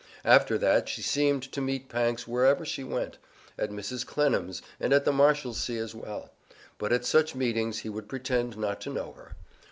After that she seemed to meet Pancks wherever she went at Mrs. Clennam's and at the Marshalsea as well but at such meetings he would pretend not to know her.